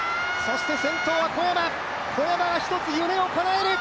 先頭はコーナー、小山が１つ夢をかなえる。